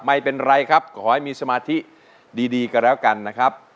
ไม่เป็นไรครับขอให้มีสมาธิดีกันแล้วกันนะครับ